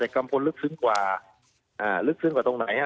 กัมพลลึกซึ้งกว่าลึกซึ้งกว่าตรงไหน